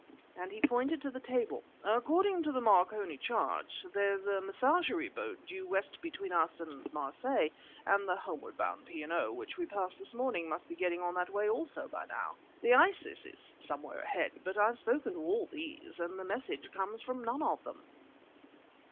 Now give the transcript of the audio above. and he pointed to the table; "according to the Marconi chart, there's a Messagerie boat due west between us and Marseilles, and the homeward bound P. & O. which we passed this morning must be getting on that way also, by now. The Isis is somewhere ahead, but I've spoken to all these, and the message comes from none of them."